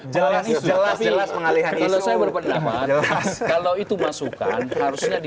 jadi itu masukan